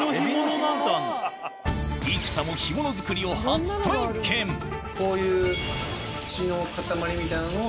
生田もこういう血の塊みたいなのを。